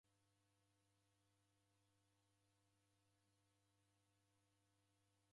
Iji igare ndejiko kwa hali iboie.